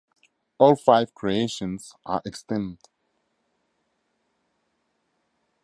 All five creations are extinct.